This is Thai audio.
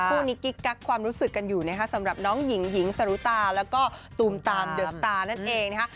คู่นี้กิ๊กกักความรู้สึกกันอยู่นะคะสำหรับน้องหญิงหญิงสรุตาแล้วก็ตูมตามเดอะตานั่นเองนะคะ